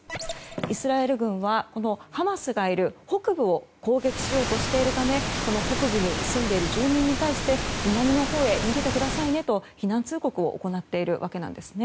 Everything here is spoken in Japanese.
イスラエル軍はこのハマスがいる北部を攻撃しようとしているため北部に住んでいる住民に対して南のほうへ逃げてくださいねと避難通告を行っているわけです。